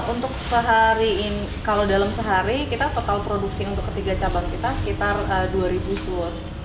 untuk kalau dalam sehari kita total produksi untuk ketiga cabang kita sekitar dua ribu sus